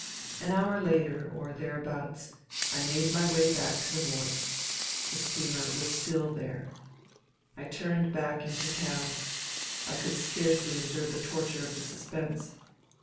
An hour later, or thereabouts, I made my way back to the wharf. The steamer was still there. I 256 FUTILITY turned back into town. I could scarcely endure the torture of the suspense.